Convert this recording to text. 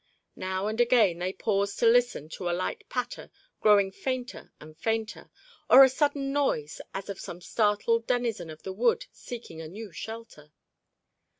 Now and again they paused to listen to a light patter growing fainter and fainter, or a sudden noise as of some startled denizen of the wood seeking a new shelter.